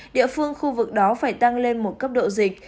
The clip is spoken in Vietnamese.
địa phương khu vực đó phải tăng lên một cấp độ dịch